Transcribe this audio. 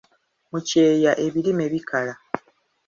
Mu kyeeya ebirime bikala.